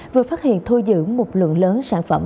vừa phát hiện thu giữ một lượng lớn sản phẩm